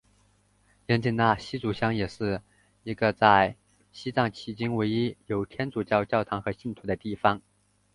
盐井纳西族乡也是一个在西藏迄今唯一有天主教教堂和信徒的地方。